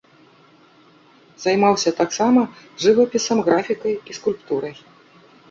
Займаўся таксама жывапісам, графікай і скульптурай.